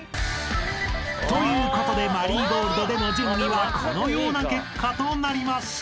［ということで『マリーゴールド』での順位はこのような結果となりました］